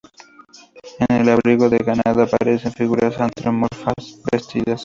En el abrigo del Ganado aparecen figuras antropomorfas vestidas.